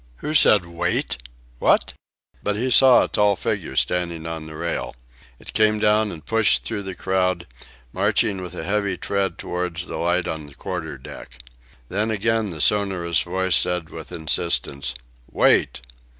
Who said 'Wait'? What...." But he saw a tall figure standing on the rail. It came down and pushed through the crowd, marching with a heavy tread towards the light on the quarterdeck. Then again the sonorous voice said with insistence: "Wait!"